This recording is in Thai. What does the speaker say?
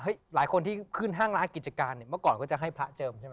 หลายคนที่ขึ้นห้างร้านกิจการเนี่ยเมื่อก่อนก็จะให้พระเจิมใช่ไหม